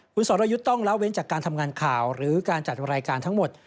คุณสรยุทธ์ต้องละเว้นจากการทำงานข่าวหรือการจัดรายการทั้งหมด